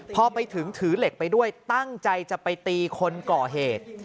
พอไปถึงถือเหล็กไปด้วยตั้งใจจะไปตีคนก่อเหตุ